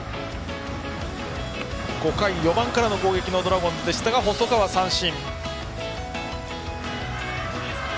５回、４番からの攻撃のドラゴンズでしたが、細川は三振。